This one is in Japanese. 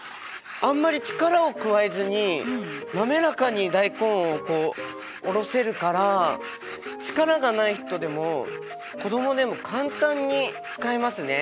あんまり力を加えずに滑らかに大根をおろせるから力がない人でも子供でも簡単に使えますね。